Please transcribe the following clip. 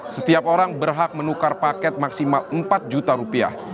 setiap orang berhak menukar paket maksimal empat juta rupiah